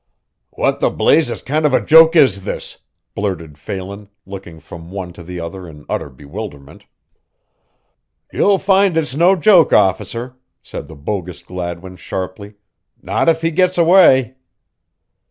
"What the blazes kind of a joke is this?" blurted Phelan, looking from one to the other in utter bewilderment. "You'll find it's no joke, officer," said the bogus Gladwin sharply "not if he gets away."